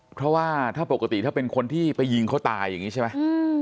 เพราะว่าถ้าปกติถ้าเป็นคนที่ไปยิงเขาตายอย่างนี้ใช่ไหม